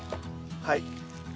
はい。